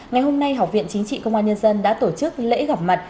ngày hôm nay học viện chính trị công an nhân dân đã tổ chức lễ gặp mặt